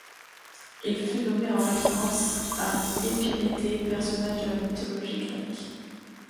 Il fut nommé en référence à Épiméthée, personnage de la mythologie grecque.